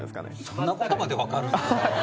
そんなことまで分かるんですね